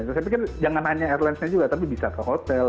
saya pikir jangan hanya airlinesnya juga tapi bisa ke hotel